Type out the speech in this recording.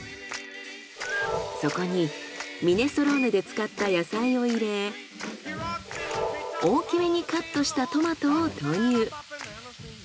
そこにミネストローネで使った野菜を入れ大きめにカットしたトマトを投入。